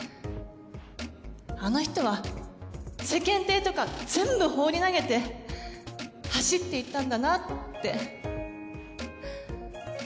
あの人は世間体とか全部放り投げて走っていったんだなって。